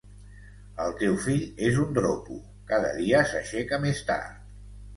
El teu fill és un dropo: cada dia s'aixeca més tard.